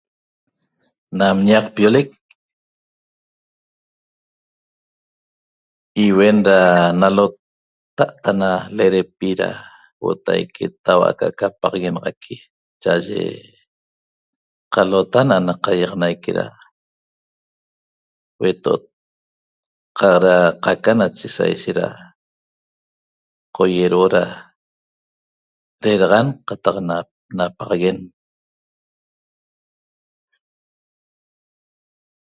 Nam ñaqpiolec iuen ra nalota' ana lerepi ra huotaique taua' aca aca paguenaxaqui cha'aye qalota ana qaiaxanaique ra hueto'ot qaq ra qaca nache saishet ra qoierhuo ra reraxan qataq napaxaguen